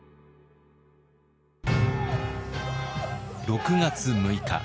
６月６日。